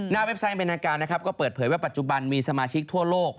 เว็บไซต์อเมนากานะครับก็เปิดเผยว่าปัจจุบันมีสมาชิกทั่วโลก